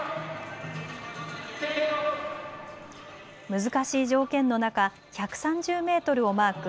難しい条件の中、１３０メートルをマーク。